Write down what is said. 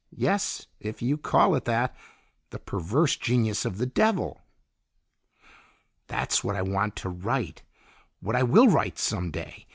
Yes, if you call it that. The perverse genius of the Devil!" "That's what I want to write what I will write some day."